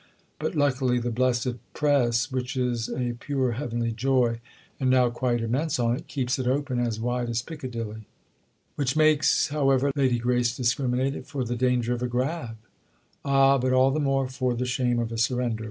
But luckily the blessed Press—which is a pure heavenly joy and now quite immense on it—keeps it open as wide as Piccadilly." "Which makes, however," Lady Grace discriminated, "for the danger of a grab." "Ah, but all the more for the shame of a surrender!